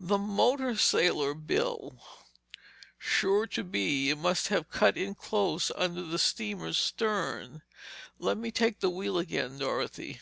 "The motor sailor, Bill!" "Sure to be. It must have cut in close under the steamer's stern. Let me take the wheel again, Dorothy."